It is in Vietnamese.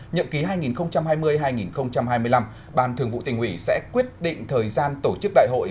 nhậm ký hai nghìn hai mươi hai nghìn hai mươi năm ban thường vụ tỉnh ủy sẽ quyết định thời gian tổ chức đại hội